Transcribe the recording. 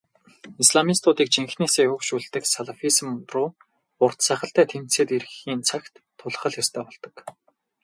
Исламистуудыг жинхэнээсээ өөгшүүлдэг салафизм руу урт сахалтай тэмцээд ирэхийн цагт тулах л ёстой болдог.